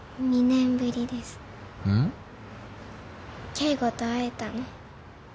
圭吾と会えたの。